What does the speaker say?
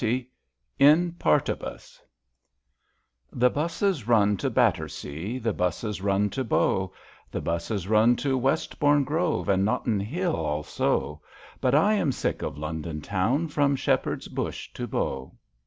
*' IN PAETIBUS n^HE 'buses run to Batter sea, The 'buses run to Bow, The 'buses run to Westbourne Grove, And Nottinghill also; But I am sick of London town. From Shepherd's Bush to Bow.